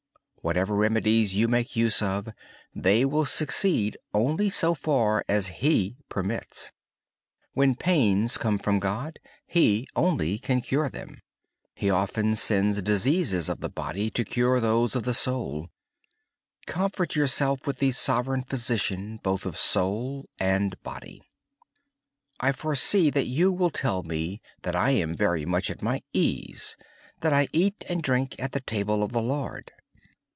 Whatever remedies you use, they will succeed only so far as He permits. When pains come from God, only He can ultimately cure them. He often sends sickness to the body to cure diseases of the soul. Comfort yourself with the Sovereign Physician of both soul and body. I expect you will say that I am very much at ease, and that I eat and drink at the table of the Lord.